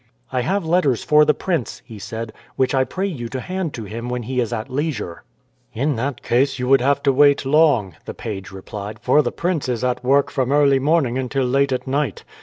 "I have letters for the prince," he said, "which I pray you to hand to him when he is at leisure." "In that case you would have to wait long," the page replied, "for the prince is at work from early morning until late at night.